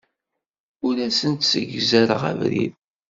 Ur asen-ssezgareɣ abrid.